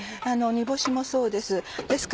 煮干しもそうです。